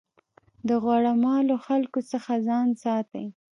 د غوړه مالو خلکو څخه ځان ساتئ.